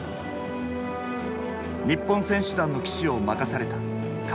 日本選手団の旗手を任された川除。